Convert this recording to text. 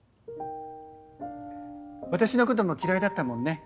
私のことも嫌いだったもんね。